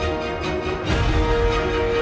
tante itu sudah berubah